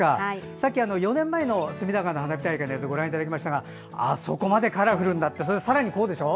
さっき、４年前の隅田川の花火大会の映像をご覧いただきましたがあそこまでカラフルになってさらに、こうでしょ？